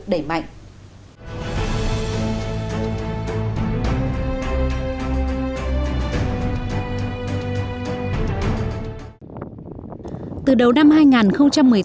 từ đầu năm hai nghìn một mươi bảy mùa mưa chỉ kéo dài từ bốn năm tháng nhưng lại chiếm từ bảy mươi năm tám mươi năm tổng lượng mưa của cả năm